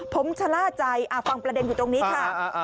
ผมชะล่าใจฟังประเด็นอยู่ตรงนี้ค่ะ